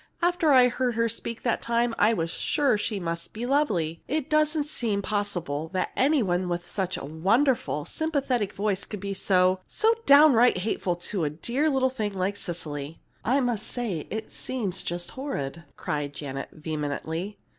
After I heard her speak that time I was sure she must be lovely. It doesn't seem possible that any one with such a wonderful, sympathetic voice could be so so downright hateful to a dear little thing like Cecily." "I must say it seems just horrid!" cried Janet, vehemently.